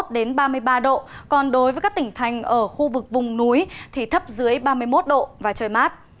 đến ba mươi ba độ còn đối với các tỉnh thành ở khu vực vùng núi thì thấp dưới ba mươi một độ và trời mát